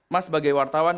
mas sebagai wartawan